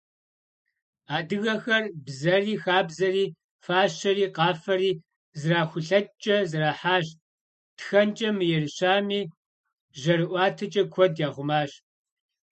Адыгэхэр бзэри, хабзэри, фащэри, къафэри зэрахулъэкӏкӏэ зэрахьащ, тхэнкӏэ мыерыщами, жьэрыӏуатэкӏэ куэд яхъумащ.